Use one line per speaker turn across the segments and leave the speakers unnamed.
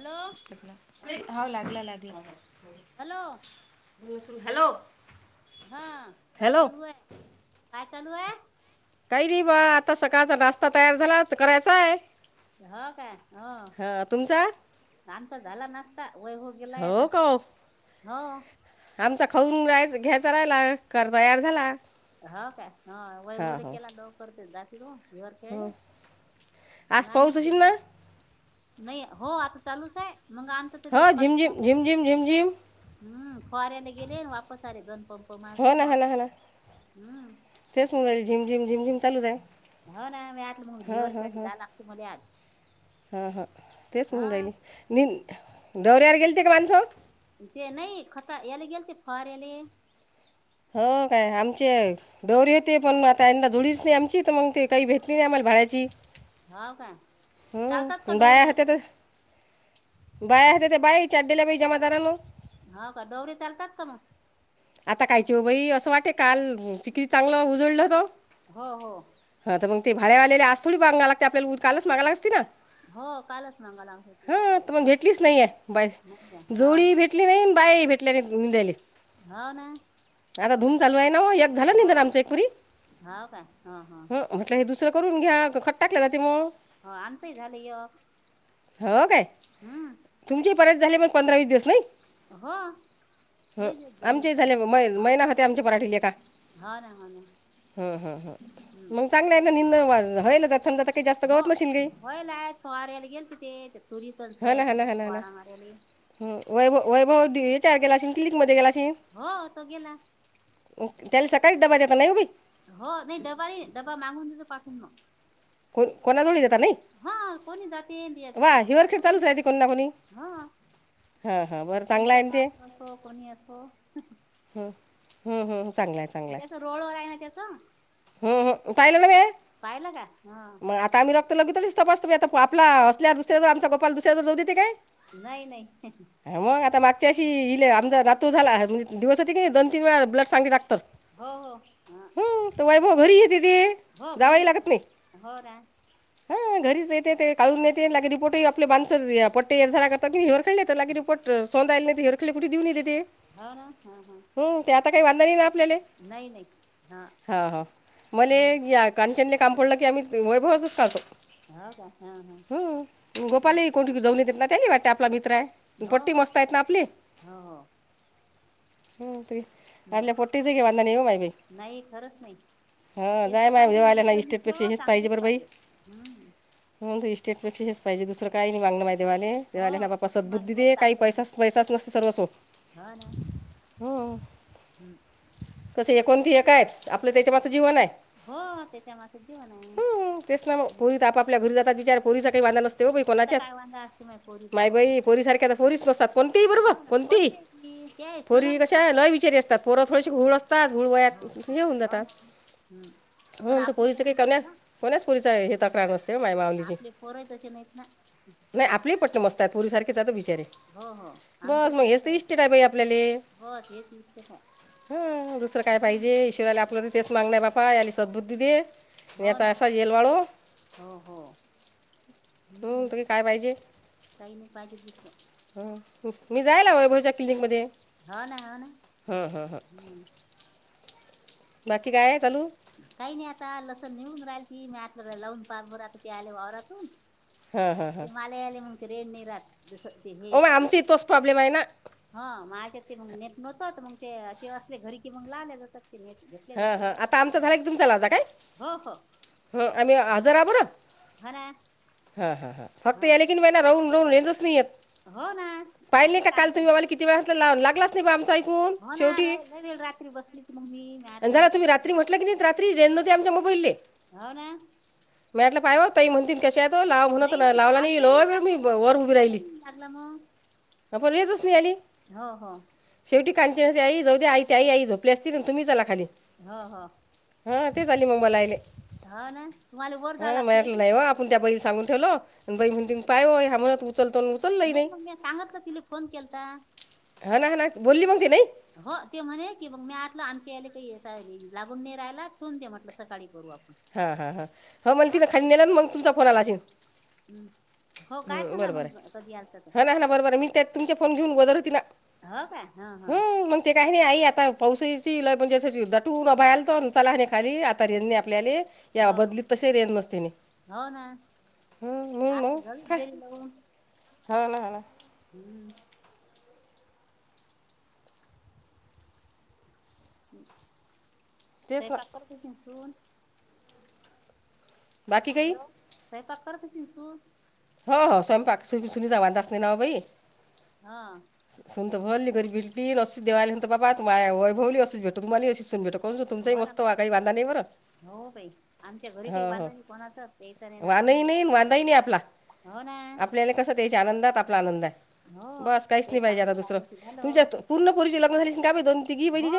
न
हो लागला लागला
हॅलो
हॅलो
हा काय चालू आहे काय चालूय
काही ना बा आता सकाळचा नास्ता तयार झाला करायचाय
हो का हो
तुमचा
काम तर झाला नसता वय हो गेलाय आता
का हो
हो
आमचा खाऊन राहायच घ्यायच राहिला खरं तयार झाला
हो का ह
हा
वैभवले
हो
केला न करते जातील इवर ख
हो आज
नाही मी
पाऊस असेल ना
केला नाही हो आता चालूच आहे मग आमचच ते ते
हो
खत
झिमझिम
चालु आहे
झिमझिम झिमझिम
हम्म फवाऱ्याला गेले वापस आले दोन पंप
हो
मारले
ना
वा
हा ना हा ना
हम्म
तेच मुगई झिम झिम झिम झिम चालूच आहे.
हो ना मी आटलं मग
हां
लवर कट जाल लागते मले आज
हा हा तेच म्हणून
हा
राहिली नि दौऱ्यावर गेलते का माणसं?
ते नाही खता याला गेलते फवाऱ्याले
हो काय आमचे डोरी येते पण आता यंदा धुळीच नाही आमची तर मग ते काही भेटली नाही आम्हाला भाड्याची
हो का चालतात
हं.
का डोरीयाला ते
बाया होत्या त्या बायाही चाट दिल्या बाई जमादारानं
हाव का डोरी चालतात का मग?
आता कायची हो बाई असं वाटे काल चिकली चांगलं उजळलंत
हो हो
हा तर मग ते भाड्यावरआलेले आज थोडी मागावं लागते आपल्याला कालच मागाला आली असती ना
हो कालच मंगा लागत होती
हा तर मग भेटलीच नाही आहे बाई
नाही काय हो
जोडीही
हो
भेटली नाही बाई ही भेटली कल्या निंदेली
हा ना
आता धूम चालू आहे ना एक झालं नाही
हो
तर आमच एकपरी
हो काय हो हो
हे दुसरं करून घ्या खट टाकलं जाते म
हो आमचंही झालं य
हो काय
हा
तुमचे ही परत झाले मग पंधरा वीस दिवस नाही
हो लई दिवस झाले
ची
पण
झाले
हा
महिना होते आमचे मराठी लेखा
हो ना हो ना
हुं हुं ह
हम्म
मग चांगलं आहे ना निंद होईल ज्याचं
हो होयलय फवाऱ्याला गेलते ते ति तुरीत अन् सोयाबीन मधे फवारा माराले.
ह वैभव वैभव याच्यावर गेला अशीन क्लनिक मध्ये गेला अशीन
हो तो गेला
त्याला सकाळी डबा देता नाही वो बाई
हो नाही डबा नाही, डबा मागून देतो पाठवून मग
कोण कोणाजवळ ही देता नाही
हा कोणी जाते [inaudible]
वा हिवरखेड चालूच राहते कोणी ना कोणी
हा
हां हां बरं चांगलं
तुमच्या
आहे ना ते
घरात असो कोणी असो
हुं हुं हू चांगल्याच
त्याच रोडवर आहे ना त्याच
ह ह पहिले नवे
हा
मग आता आम्ही र तर लगेतोडेच तपासतो बाई आता आपला असल्या दुसऱ्या आमचा गोपाल दुसऱ्याजवळ जाऊ देते काय
नाही नाही
मग आता मागच्यावर्षी इले आमचा नातू झाला दिवस जाते की नाही दोन तीन वेळा ब्लड सांगते डॉक्टर
हो हो ह
तो वैभव घरी येते ते
हो
जावं ही
घरी येत
लागत
ते
नाही.
हो रा
हा घरीच येते ते काढून नेते, लगे रिपोट आपले बनसर पोटे येर झारा करतात काढले तर लगे रिपोर्ट सोंध्याले ते कुठे देऊन येते ते
हाव ना हा हा
ह ते आता काही वांदा नाही ना आपल्याले
नाही नाही
हा हा मला
हम्म
या कांचनने काम पडलं की आम्ही वैभवाच काढतो.
हो का हा हा
हुं गोपाल
हम्म.
ही कोणती जाऊन येतेत ना त्यानी वाटते आपला मित्र आहे.
हो
पोट्टी मस्त आहेत ना आपली
हो हो
ह त
हम्
आपल्या पोट्टीच घे बांधा नाही येऊ माहि बी
नाही खरंच नाही तेच तर
माय
पाहिजे
देवाला ना
मित्र
इस्टेटपेक्षा
मित्र चांगलेच पाहिजे हम
हो इ स्टेटपेक्ष हेच पाहिजेुरं काय नाही वागण माेवाले ते
हो
आले ना बा्पा
फक्त माझ
सद्बुद्धी
ब
दे काही
चांगलं बुद्ध
पैसाच पैसाच नसते सर्व सो
हो ना हम्म
तस एकोण की एकय आपलं त्याच्या मात जीवन आहे
हो त्याच्या मा जीवन आहे ह्
आपल्या घरी जातात बचार पोरीसार काही बांधा नसते हो बाई
त्याचा
कोणाच्याच
काय वांदा असते माय पोरीचा
माय
व
बाई पोरीसारख्या आ पोरीच नसतात कोणतीही बरोबर
हो ना
कोणतीही
कोणते ती ते
पोरी
सुनाय
कशा
आपल्या
लय बचारी
पोरी.
असतात पोरं थोडीशी घूळ असतात हूळ वयात
हो हो
हेऊन दात
हो ना हम्म पण
होन तर
आपले
पोरीचं
कसे
काही कोण्या
नाहीत ना
कोण्यास पोरीच हे तक्रार नसत तेव माय
ना
मावलीची
आपले पोरही तसे नाहीत ना
नाही आपले पटन मस्तात पोरी सारखेचात बिचारे
हो हो
बस
आमचाही
मग
पसून
हेच तर
काजे
इष्टेट आहे बाई
बस हेच निश्चच आहे
ह दुसरं काय
हम्म
पाहिजे ईश्राला आपलं तर तेच मागलंय बापा याली सद्बुद्धी दे आणि
हो
याचा
ना
असा येल वाळो
हो हो
हं,
हम्म
तरी काय पाहिजे
काही नाही पाहिजे दिसतो.
ह मी जायला वैभवच्या क्लिनिक मध्ये
हो ना हो ना हुं,
बाकी काय आहे चालू?
काही नाही आता लसण निवडून राहिलती मी आ लावून पार आता ते आले वावरातून
हं, हं, हं.
ते माल आले मग ते रेड नाही राहत जस ते हे
ओ मग आमची तोच प्रॉब्लेम आहे ना
हा माझ्या ते मग नेत नव्हत मग ते ते असले घरी की मग न्हायले जातात. [unintelligible]
हा हा आता आमचां झालं की तुमचा लाव जा काय
हो हो
ह आम्ही हजर आह ब [inaudible]
हर
हा हा हा फक्त याले कीन मना राहून राहून रेंजच नाही
हो ना
पाहिले
ते
नाही
काय
काल
आता
तुम्ही मला किती वेळ ला लागलाच नाही बा आमचा ऐकून शेवटी
री बसली. मग मी मी
आणि
म्हटलं
झाला तुम्ही
इकडे
रात्री म्हटलं की नाही रात्री रेल नव्हती आमच्या मोबाईलले
हो ना
मॅटलं पाय त म्हणिन कशात लाव होण नाही लावला
आमचाही
नाहीलो
नाही
वेळ मी
लागला मग
वर उभी राहिली.
आमचाही नाही लागला
आपण वेतस नाही आली?
हा हा
शेवटी कांची आई जाऊ आ आई आई जाऊ प् असतील तुम्ही चला खाली.
हा हा
हा तेच आली मबाईलाहिले
हो ना तुम्हाला वर जावं
हा
लागते
म्हटलं
की
नाही हो [inaudible] आपण त्या बैल सगून ठेवो आणि बई म्हण त पाय होय ह्या म्हणूनत उचलतो उचलही नाही.
सांगत का तिला फोन केलता.
हाना हाना बोलली मगतेे न नाही.
हो ते म्हणे की मग मी आठलं आमच्या याले काही लागून नाही राहायला ठेवून दे म्हटलं सकाळी करू आपण
हां हां हां हो मला तिनं खाली नेला ना मग तुमचा फोन आला असेन.
हम्म.
हम बरोबर
तर
आहे हा ना हाना बरोबर आहे मी त्या तुमच्या फोन घेऊन गोदर होती ना,
हो काय हा हा
हं, मग ते काही नाही आई आता पावसाची म्हणजे दटू भल तो चला नाही खाली आता रेजणे आपल्याले या
हो हो
बदलीत तसे र येन मस्तीने
हो
हम् म ना
बलो [inaudible]
हा ना ह ना
हम्म
तेच ना
स्वयंपाक करते सून,
बाकी काही
हॅलो स्वयंपाक करत असेल सून
हो हो स्वयंपाक सुनी सुनी जेवत असते ना बाई
हा
सूनत बोलली गरीब भेटली असं तर बोलली अस माय वैभव ला अशीच भेटू सून मलाही अशी भेटू काहून तुमचाही
हो ना
मस्त
मा
वा काही वांदा नाही बरं
हो बाई आमच्या घरी काही
हो हो
बांधणी कोणाच असते याचा नाही ना कोणाच
वानही नाही
अस
न वांदाही नाही आपला
हो ना
आपल्याला कसं त्याच्या आनंदात आपला आनंद आहे,
हो
बस काहीच
ते
नाही पाहिजे आता
चांगलं
दुसरं
राहिले की झालं
तुमच्यात पूर्ण पोरींचे लग्न झाले काय बाई दोन तिघी
हो
बहिणीचे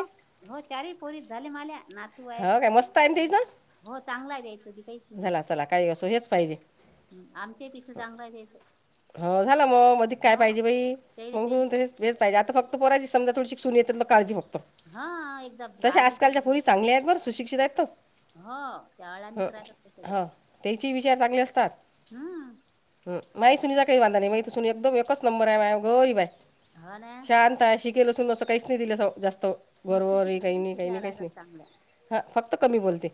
हो चारी पोरीत झाले माल्या नात तू आहेत
हो काय मस्त आहे ना त्याचं
हो चांगला आहे त्यांचं त्यांचं काहीच नाही मला
झाला चला काही असो हेच पाहिजे
हम आमच्या पेक्षा चांगला आहे त्यांचं
हो झाला मग मध काय पाहिजे बाई
त्याला
हुं, हुं, तेच हेच
टेन्शन
पाहिजे
घरी
आता फक्त पोरायची समजा थोडीशी सून यवस्तो काळजी फक्त
हा एकदा आली ती मग, काय
बर सुशिक्षित हाय तो.
त्या
ह
अळानीच राहतात त्या सगळ्या
हा, त्याची विचार चांगले असतात.
हम्म
ह माही सुनीचा काही वांधा नाही. माय तर सुन एकदम एकच नंबर हाय, माय गरीब हाय.
हो ना
शांत काय शिकेल सु असं काहीच नाही दिलं जास्त.
मग
गरोर काही
चिकन
नाही काही
त्याच्या
नाही काहीच
राहतात
नई.
चांगल्या
हा, फक्त कमी बोलते.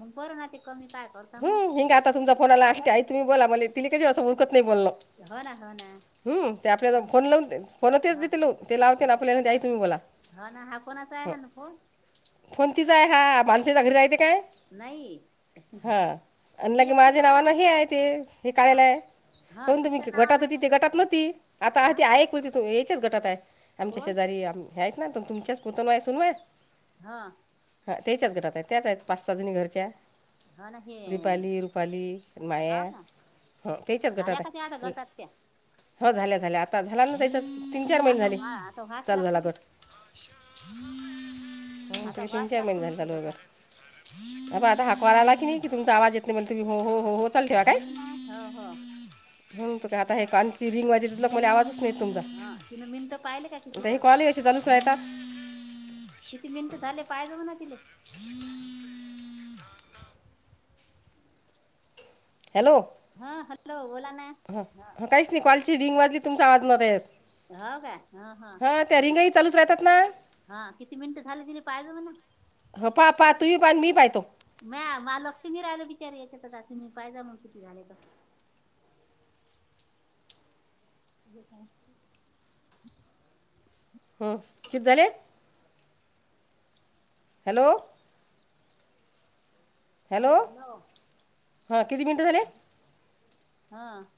मग बर ना, ते कमी काय करता मग.
हं, हिंग आता तुमचा फोन आला आई तुम्ही बोला म्हणली. तिनेकशी असं ओळखत नाही बोलल.
हो ना, हो ना.
हम्म ते
हा.
आपल्याला फोन लावून देते. पुन्हा तीच
हा
देेते लावून, ते लावते ना आपल्याला आई तुम्ही बोला.
हो ना. हा कोणाचा आहे हा ना फोन.
काय हा माणसे चांगले राहते काय?
नाही
हा. आणि
तिच्या
लगे
याच्यात केला
माझ्या
होता का
नावानं हे
तुम्ही
आहे ते, हे
हा
कायला हाय.
हा
कोण तुम्ही
तुमच्या
गटात
नावानं आहे
होती ती
वाटते
गटात
काही
नव्हती. आता
हा
ती आहे याच्याच गटात हाय. आमच्या
कोण
शेजारी आहेत ना तुमच्याच पुतण्या सुनबाई
हा.
हा तेच्याच गटात हाय. त्याच आहेत पाच सहा जणी घरच्या
हा ना हे
दीपाली, रुपाली, माया
हा का
हां त्याच्याच
झाल्या
गटात
का त्या अँड
आहे
गटात त्या?
हो झाल्या झाल्या. आता झाला ना त्याच्या तीन चार महिने
आता
झाले,
व्हा आता व्हाच
चालू झाला
लागते की
गट. म
आता
तीन
व्हाच
चार महिने
लागते
झाले
म्हटलं
चालू हाय
गटात
गट. अब आता हाक माराला कणी, की तुमचा आवाज येत नई मग तुम्ही हो हो हो हो चालू ठेवा काय.
ना हो हो
हम्म खर आता हे
हा
कॉलची रिंग वाजते मला आवाजच नई येत. तुमचा
हा तिनं मिनटं पाहिले का किती झाले?
तो येतात.
किती मिनिटं झाले पायजाऊन ना तिले?
[unintelligible] हॅलो,
हा हॅलो बोला ना
ह काहीच नाही, कॉल ची रिंग वाजली तुमचा आवाज नव्हता येत.
हा काय, हा हा.
हां त्या रिंगही चालूच राहतात ना.
हा किती मिनटं झाल, तिला पाहिलं म्हणा.
हो पा पा तुम्ही पा आणि मी पाहतो
म्या, महालक्ष्मी राहिला बिचारे याच्यात जा तुम्ही पाहिजे जा किती घालायचे. जे पण
हम्म. किती झाले? हॅलो.
हा हॅलो.
हा किती मिनटं झाले?
हा.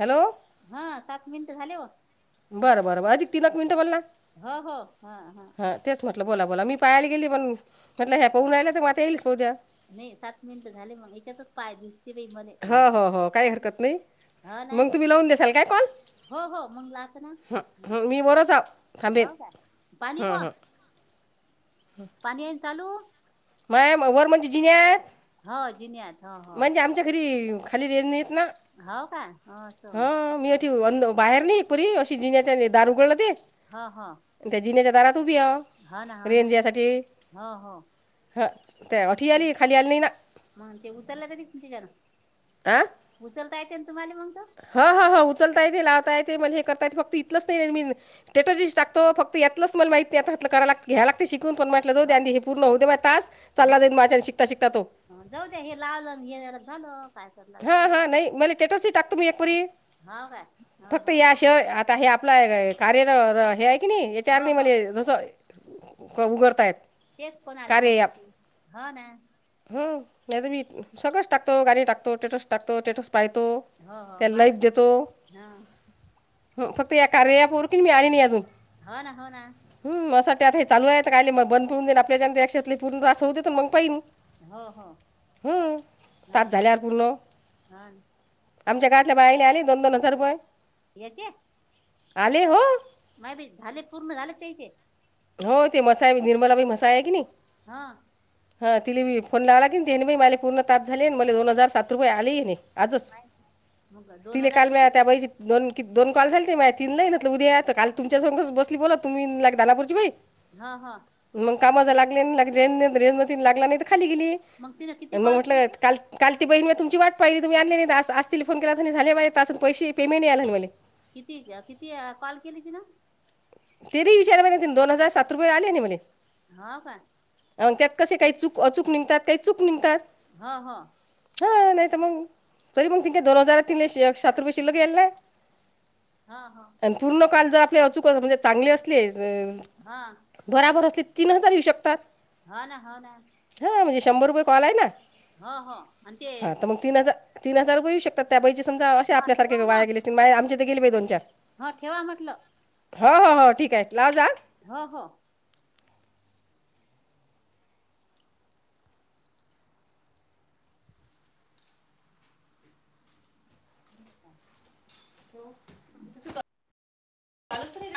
हॅलो.
हा, सात मिनिटं झाले बग.
बर बर बर अधिक तीनक मिनटं बोलना.
हो हो, हा हा.
हां तेच म्हटलं बोला बोला. मी पाहायला गेली पण म्हटलं हया पाहून राहिल्या तर मग आता येईल पाहू द्या.
नाही सात मिनिट झाले मग याच्यातच पाय दि
हो हो हो काही हरकत नई.
हो ना
मग तुम्ही लावून देशाल काय कॉल?
हो हो मग लावतो ना
ह हम् मी वरच जाव थांबेन,
हो का पाणी व
हम्म हम्म.
पाणी आहेन चालू?
मा वर म्हणजे जिण्यात?
हो जिन्यात. हो हो
म्हणजे आमच्या घरी, खाली रेंज नाही येत ना.
हाव का, हों असं.
ती [unintelligible] बाहेर नाही पुरी अशी जिण्याच्याने दार उघडल ते.
हा हा.
त्या जिण्या्च्या दारात उभीह,
ना
रेंज यासाठी.
हो हो
हं ते होठी आली, खाली आली नई ना.
मग ते उतरलं कशी तिज्यान?
आं?
उचलता येत ना तुम्हाला मग तो.
हां हां हां उचलता येते, लावता येते, मला हे करता येत फक्त इथलंच नाही मी स्टेटस टाकतो फक्त यातलच मला माहित नाही करा घ्या लागते शिकून पण मा
हो
जाउंदे हे पूर्ण हो मग तास
हो
चाला जाईल माझ्या शिकता शिकता तो.
जाऊ द्या हे लावलं येणार झालं. काय करायला
हां
लागते
हां नाही मले स्टेटस ही टाकतो मी एकपरी
हो काय हो
फक्त
हो
याश होय आता हे आपलं कार्या-र-र हे आहे की नाही
हो
याच्यावरती
हो
मला जसं कोन उघडतायत.
तेच कोण आले समजते हो ना.
हो नाही तर मी सगळंच टाकतो, गाणी टाकतो, स्टेटस टाकतो, स्टेटस पाहतो.
हो, हो,
त्याला लाईफ
मला
देतो
हां.
फक्त या कार्य ऍप वर की मी आली नाही अजून.
हो ना, हो ना.
हम्! असं आत हे चालू आहे कायले मग बंद पडून देन आपल्याच्याक्षेत पूर्ण त्रास होते तर मग पाहिन
हो हो
हं, तात
हां.
झाल्यावर पूर्ण आमच्या गावातल्या बायाला आली दोन दोन हजार रुपये.
याचे?
आले हो.
नाही बाई झाले पूर्ण झाले त्याचे
हो ते मसाय निर्मलाबाई मसाय आहे की नाही
हां.
हां तिला फोन लावला तिने बी मले पूर्ण टास्क झाले मला दोन हजार सात रुपये आले ही नाही. आजच
माय मग दोन
तिले
हजार
काल म
किती
त्या बाईची दोन की दोन कॉल झालते माते तीन नाही म्हंटली उद्या तर काल तुमच्यासोबत बसली बोलत तुम्ही [unintelligible]
हां हां.
मग कामाचा लागले नाही रेनती रेवती लागला नाही तर खाली गेली
मग तिनं किती
मग
कॉल केले
म्हटलं
ते
काल काल ती बहीण मग तुमची वाट पाहिली तुम्ही आणलेली नाही असतील फोन केला तर नाही झाले माजे असं पैसे पेंमेट यालाले मले
किती किती कॉल केली तिनं?
तेरी विचारा म्हणे दोन हजार सात रुपये आले ना मले.
हां काय.
आणि त्यात कसे काही चूक, अचूक निघतात काही चूक निघतात.
हां हां.
हा नाही तर मंग तरी पण ते दोन हजार तिने एकशे शहात्तर रुपये शिल्लक येईल ना
हो हो
आणि पूर्ण कॉल जर आपले अचूक जर चांगली असलीय- ज
हां.
बराबर असले तीन हजार हिशोब
हो ना हो ना.
हां म्हणजे शंभर रुपये कॉल आहे ना.
हां हं आणि ते
हां तर मग तीन हजार तीन हजार रुपये येऊ शकतात त्या बाईची समजा असे
हा
आपल्यासारखे वाया गेले असतील माय आमचे ते गेली बाई दोन, चार.
हां ठेवा म्हटलं.
हो हो हो ठीक आहेत लावत जा हं.
ह हो. करू शकताय.
हो. [inaudible]